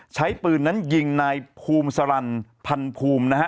ใช้ปืนนั้นยิงนายภูมิสารันพันภูมินะฮะ